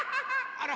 あら。